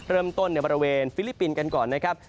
เริ่มต้นในบริเวณฟิลิปปินส์กันก่อนนะครับ